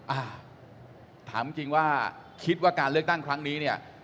อ่ะถามจริงว่าคิดว่าการเลือกตั้งครั้งนี้เนี่ย